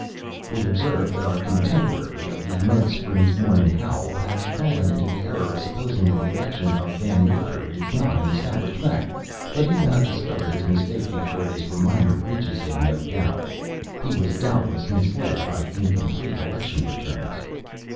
We observe that our contemporary of the Mud Springs Morning Howl has fallen into the error of supposing that the election of Van Werter is not an established fact, but he will have discovered his mistake before this reminder reaches him, no doubt. He was doubtless misled by incomplete election returns.